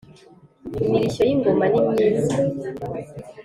imirishyo yi ngoma ni myiza